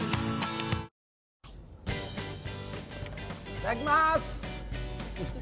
いただきます。